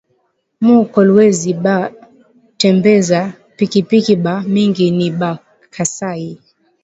Mu kolwezi ba tembeza pikipiki ba mingi ni ba kasayi